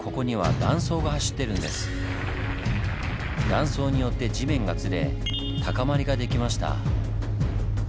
断層によって地面がずれ高まりができました。